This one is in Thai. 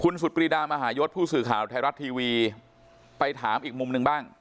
สุดปรีดามหายศผู้สื่อข่าวไทยรัฐทีวีไปถามอีกมุมหนึ่งบ้าง